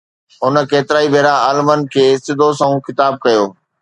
هن ڪيترائي ڀيرا عالمن کي سڌو سنئون خطاب ڪيو.